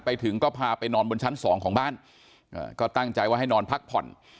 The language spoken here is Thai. ไปถึงก็พาไปนอนบนชั้นสองของบ้านก็ตั้งใจว่าให้นอนพักผ่อน